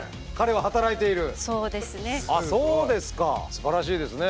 すばらしいですね。